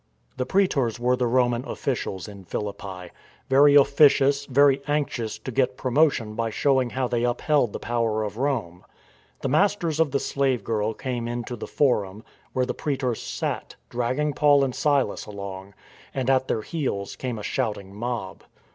The praetors were the Roman officials in Philippi; very officious, very anxious to get promotion by show ing how they upheld the power of Rome. The masters of the slave girl came into the forum, where the praetors sat, dragging Paul and Silas along; and at their heels came a shouting mob.